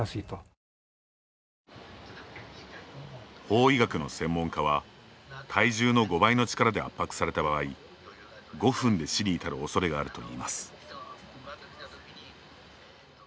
法医学の専門家は体重の５倍の力で圧迫された場合５分で死に至るおそれがあるといいます。